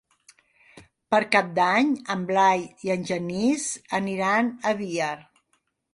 Per Cap d'Any en Blai i en Genís aniran a Biar.